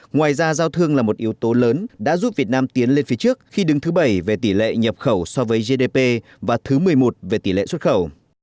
ngoài ra giao thương là một yếu tố lớn đã giúp việt nam tiến lên phía trước khi đứng thứ bảy về tỷ lệ nhập khẩu so với gdp và thứ một mươi một về tỷ lệ xuất khẩu